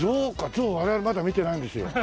ゾウ我々まだ見てないんですよ。